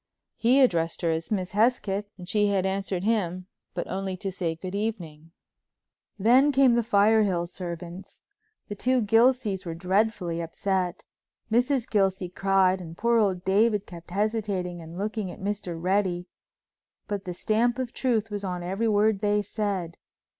He addressed her as Miss Hesketh and she had answered him, but only to say "Good evening." Then came the Firehill servants. The two old Gilseys were dreadfully upset. Mrs. Gilsey cried and poor old David kept hesitating and looking at Mr. Reddy, but the stamp of truth was on every word they said.